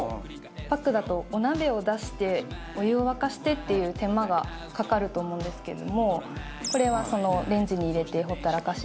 パックだとお鍋を出してお湯を沸かしてっていう手間がかかると思うんですけどもこれはそのレンジに入れて放ったらかし。